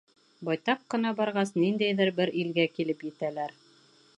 Байтаҡ ҡына барғас, ниндәйҙер бер илгә килеп етәләр.